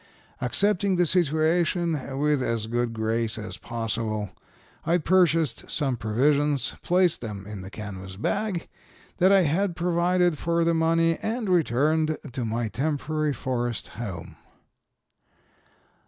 Accepting the situation with as good grace as possible, I purchased some provisions, placed them in the canvas bag that I had provided for the money and returned to my temporary forest home.